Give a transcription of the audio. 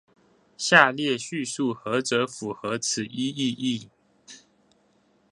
下列敘述何者符合此一意義？